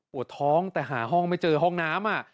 ปวดท้องแต่หาห้องไม่เจอห้องน้ำ